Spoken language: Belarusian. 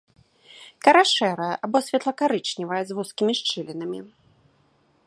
Кара шэрая або светла-карычневая з вузкімі шчылінамі.